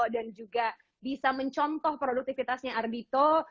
dan juga bisa mencontoh produktivitasnya ardhito